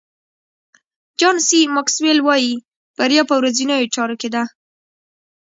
جان سي ماکسویل وایي بریا په ورځنیو چارو کې ده.